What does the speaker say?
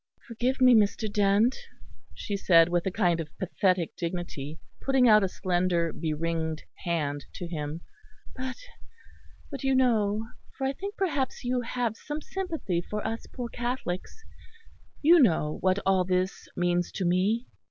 "Forgive me, Mr. Dent," she said, with a kind of pathetic dignity, putting out a slender be ringed hand to him, "but but you know for I think perhaps you have some sympathy for us poor Catholics you know what all this means to me."